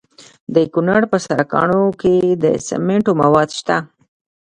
د کونړ په سرکاڼو کې د سمنټو مواد شته.